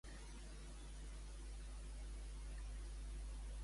I en quines altres iniciatives d'aquest mateix camp s'ha vist envolta?